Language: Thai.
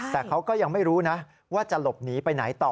แต่เขาก็ยังไม่รู้นะว่าจะหลบหนีไปไหนต่อ